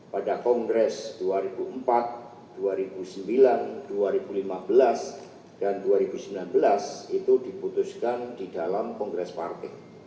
pada kongres dua ribu empat dua ribu sembilan dua ribu lima belas dan dua ribu sembilan belas itu diputuskan di dalam kongres partai